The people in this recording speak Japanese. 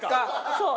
そう。